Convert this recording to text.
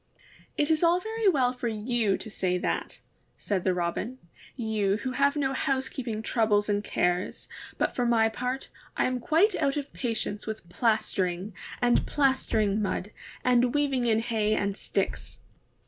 '^ 'Tt is all very well for yon to say that,'' said the Robin, ''you who have no housekeeping troubles and cares ; but for my part, I am quite out of patience with plastering, and plastering mud, and weaving in hay and sticks.